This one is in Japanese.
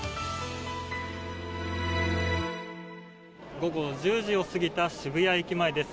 午後１０時を過ぎた渋谷駅前です。